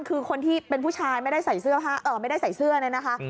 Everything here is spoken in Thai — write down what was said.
คือคนที่เป็นผู้ชายไม่ได้ใส่เสื้อนะคะ